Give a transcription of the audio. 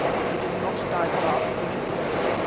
It is not tied, Baas, only twisted.